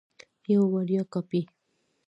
یوه وړیا کاپي